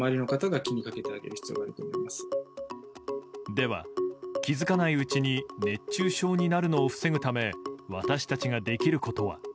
では、気づかないうちに熱中症になるのを防ぐため私たちができることは。